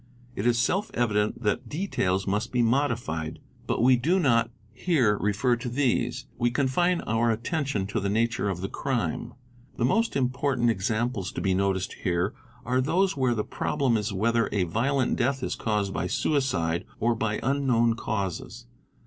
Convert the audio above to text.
It is self evident that details must be modified, but we do not here refer to these; we confine our attention to the nature of the crime. The most important examples to be noticed here are those where the :; problem is whether a violent death is caused by suicide or by unknown causes.